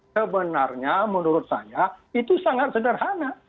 sebenarnya menurut saya itu sangat sederhana